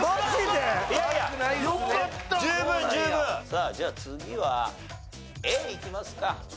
さあじゃあ次はＡいきますか。